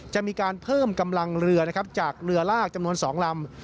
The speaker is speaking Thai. จะมีการเพิ่มกำลังเรือนะครับจากเรือลากจำนวน๒ลำ